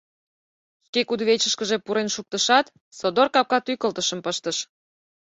Шке кудывечышкыже пурен шуктышат, содор капка тӱкылтышым пыштыш.